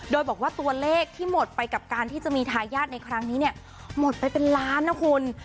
โดยบอกว่าตัวเลขที่หมดไปกับการที่จะมีทายาทในครั้งนี้เนี่ยหมดไปเป็นล้านนะคุณ